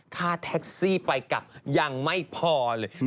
ค่าแท็กซี่ไปกลับยังไม่พอเลย